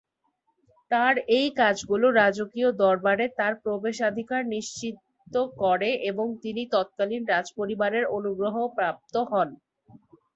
তার এই কাজগুলো রাজকীয় দরবারে তার প্রবেশাধিকার নিশ্চিত করে এবং তিনি তৎকালিন রাজপরিবারের অনুগ্রহ প্রাপ্ত হন।